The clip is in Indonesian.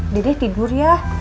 dedeh tidur ya